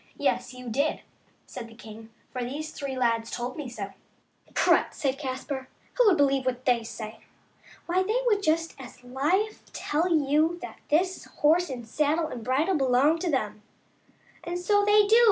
Yes, you did," said the king, " for these three lads told me so." "Prut!" said Caspar, "who would believe what they say? Why, they would just as lief tell you that this horse and saddle and bridle belong to them." " And so they do